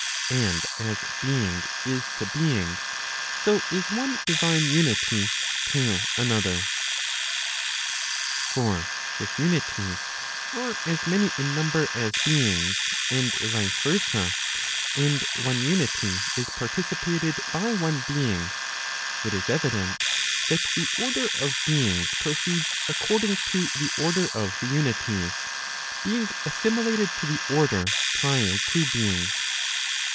And as being is to being, so is one divine unity to another. For if unities are as many in number as beings, and vice versa, and one, unity is participated by one being, it is evident that the order of beings proceeds according to the order of the unities, being assimilated to the order prior to beings.